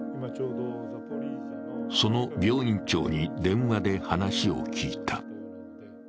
その病院長に電話で話を聞いた。